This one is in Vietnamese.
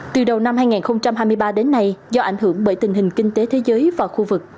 từ đầu năm hai nghìn hai mươi ba đến nay do ảnh hưởng bởi tình hình kinh tế thế giới và khu vực